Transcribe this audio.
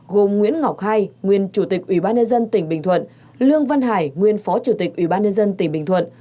gồm nguyễn ngọc hai nguyên chủ tịch ủy ban nhân dân tỉnh bình thuận lương văn hải nguyên phó chủ tịch ủy ban nhân dân tỉnh bình thuận